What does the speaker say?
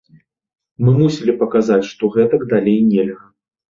Мы мусілі паказаць, што гэтак далей нельга.